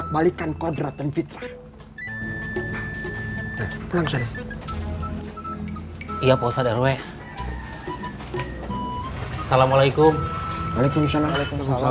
kalian lihat dari mirip ini